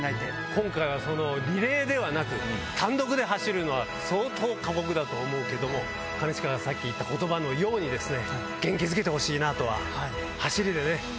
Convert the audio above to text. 今回はそのリレーではなく、単独で走るのは、相当過酷だと思うけども、兼近がさっき言ったことばのように、元気づけてほしいなとは、走りでね。